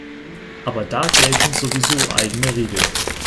Aber da gelten sowieso eigene Regeln.